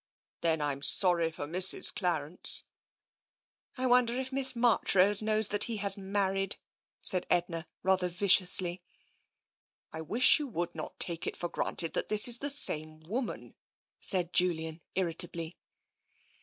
"Then Fm sorry for Mrs. Clarence." " I wonder if Miss Marchrose knows that he has married," said Edna, rather viciously. " I wish you would not take it for granted that this is the same woman," said Julian irritably.